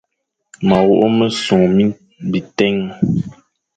Ma wok mesong bi tèn.